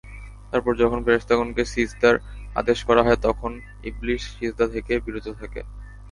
তারপর যখন ফেরেশতাগণকে সিজদার আদেশ করা হয় তখন ইবলীস সিজদা থেকে বিরত থাকে।